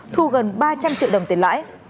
thu gần ba trăm linh triệu đồng tiền lãi